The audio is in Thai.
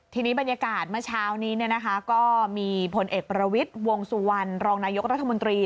ทีนี้บรรยากาศเมื่อเช้านี้ก็มีผลเอกประวิทย์วงสุวรรณรองนายกรัฐมนตรี